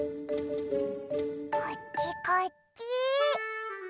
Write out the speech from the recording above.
こっちこっち！